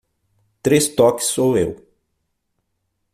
Três toques sou eu.